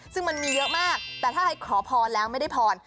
ซึ่งมันมีเยอะมากแต่ถ้าใครขอพรแล้วไม่ได้พร